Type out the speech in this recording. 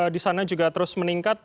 di sana juga terus meningkat